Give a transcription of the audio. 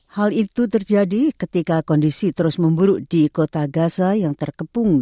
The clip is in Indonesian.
hal itu terjadi ketika kondisi terus memburuk di kota gaza yang terkepung